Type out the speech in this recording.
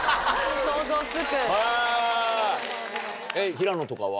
平野とかは？